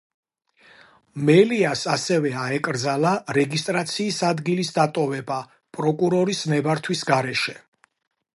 მელიას ასევე აეკრძალა რეგისტრაციის ადგილის დატოვება პროკურორის ნებართვის გარეშე.